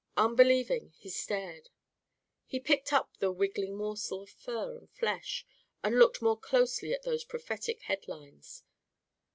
Unbelieving, he stared. He picked up the wiggling morsel of fur and flesh and looked more closely at those prophetic head lines.